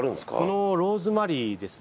このローズマリーですね